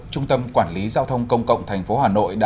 trung tâm quản lý giao thông công cộng tp hà nội